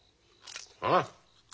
ああ？